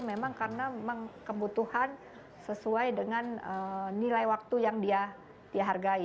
memang karena memang kebutuhan sesuai dengan nilai waktu yang dia hargai